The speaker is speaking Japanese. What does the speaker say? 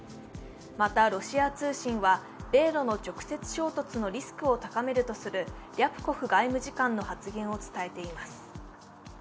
また、ロシア通信は米ロの直接衝突のリスクを高めるとするリャプコフ外務次官の発言を伝えています。